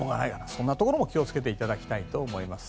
そんなところも気を付けていただきたいです。